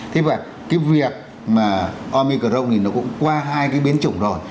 thế và cái việc mà omicron thì nó cũng qua hai cái biến chủng rồi